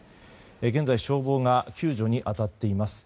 現在、消防が救助に当たっています。